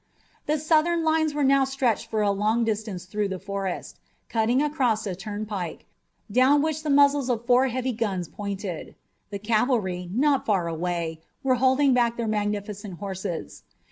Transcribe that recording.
The Southern lines now stretched for a long distance through the forest, cutting across a turnpike, down which the muzzles of four heavy guns pointed. The cavalry, not far away, were holding back their magnificent horses.